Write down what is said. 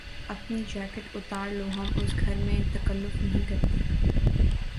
اپنی جیکٹ اتار لو۔ ہم اس گھر میں تکلف نہیں کرتے